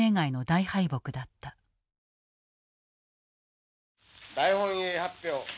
大本営発表。